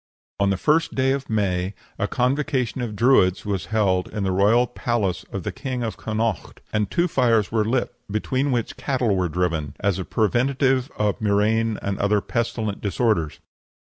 On the first of May a convocation of Druids was held in the royal palace of the King of Connaught, and two fires were lit, between which cattle were driven, as a preventive of murrain and other pestilential disorders.